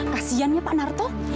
kasihan ya pak narto